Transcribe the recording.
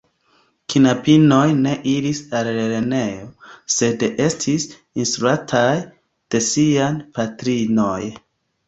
Knabinoj ne iris al lernejo, sed estis instruataj de siaj patrinoj.